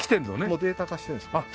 もうデータ化してるんです。